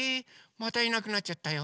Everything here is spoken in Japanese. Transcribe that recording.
⁉またいなくなっちゃったよ。